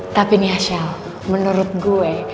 tapi nih ya sheld menurut gue